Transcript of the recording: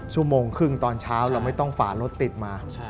ชั่วโมงครึ่งตอนเช้าเราไม่ต้องฝารถติดมา